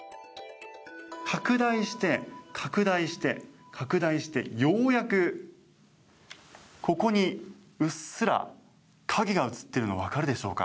拡大して、拡大して拡大してようやく、ここにうっすら影が写っているのがわかるでしょうか。